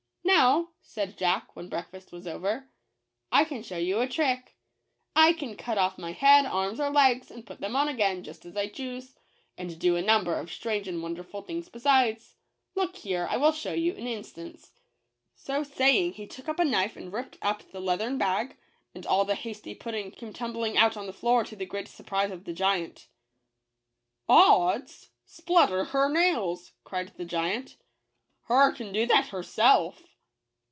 "Now," said Jack, when breakfast was over, "I can show you a trick. I can cut off my head, arms, or legs, and put them on again, just as I choose ; and do a number ot strange and wonderful things besides. Look here, I will show you an instance." So saying he took up a knife and ripped up the leathern bag, and all the hasty pudding came tumbling out on the floor, to the great surprise of the giant. " Ods ! splutter hur nails !" cried the giant, " hur can do that hurself."